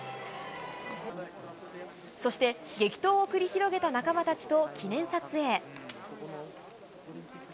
そして激闘を繰り広げた仲間たちと記念撮影。